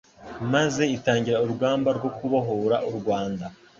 maze itangira urugamba rwo kubohora u Rwanda